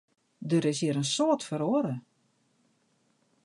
Der is hjir in soad feroare.